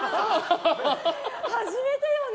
初めてよね！